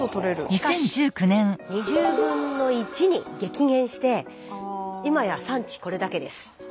しかし２０分の１に激減して今や産地これだけです。